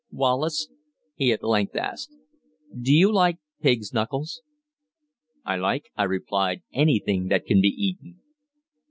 "Wallace," he at length asked, "do you like pig's knuckles?" "I like," I replied, "anything that can be eaten."